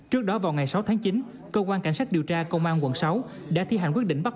trước đó vào ngày sáu tháng chín cơ quan cảnh sát điều tra công an quận sáu đã thi hành quyết định bắt